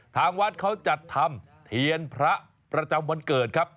ทางวัดเขาจัดทำเทียนพระประจำวันเกิดครับ